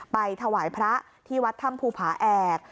ถวายพระที่วัดถ้ำภูผาแอก